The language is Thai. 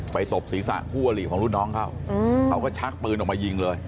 ตบศีรษะคู่อลิของรุ่นน้องเขาเขาก็ชักปืนออกมายิงเลย